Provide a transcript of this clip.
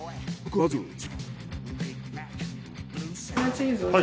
はい。